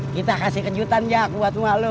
kita kasih kejutan jak buat rumah lo